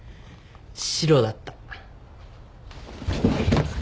白だった。